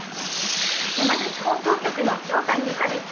山口放送局の条谷有香です。